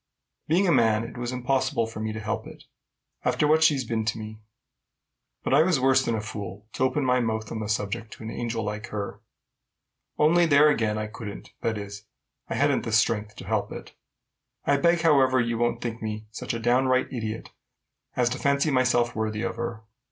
Being a man, it was impossible for me to help it, after what she's been to me. But I was worse than a fool to open my mouth on the subject to an angel like her. Only there again, I couldn't, that is, I hadn't the strength to help it. I beg, however, you won't think me such a downright idiot as to fancy myself worthy of her.